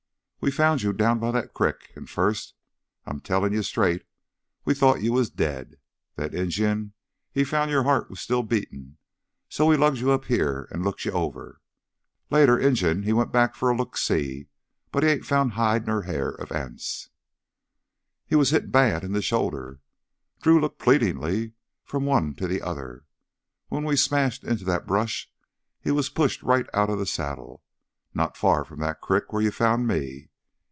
"We found you down by that crick, an' first I'm tellin' it to you straight we thought you was dead. Then Injun, he found your heart was still beatin', so we lugged you up heah an' looked you over. Later, Injun, he went back for a look see, but he ain't found hide nor hair of Anse " "He was hit bad in the shoulder " Drew looked pleadingly from one to the other "when we smashed into that brush he was pushed right out of the saddle, not far from that crick where you found me.